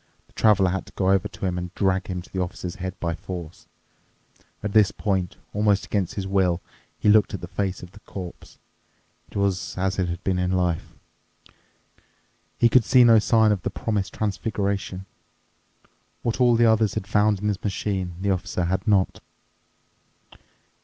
The Traveler had to go over to him and drag him to the Officer's head by force. At this point, almost against his will, he looked at the face of the corpse. It was as it had been in his life. He could discover no sign of the promised transfiguration. What all the others had found in the machine, the Officer had not.